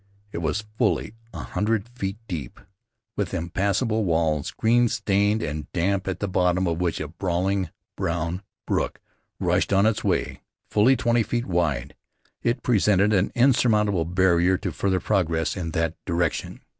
It was fully an hundred feet deep, with impassable walls, green stained and damp, at the bottom of which a brawling, brown brook rushed on its way. Fully twenty feet wide, it presented an insurmountable barrier to further progress in that direction.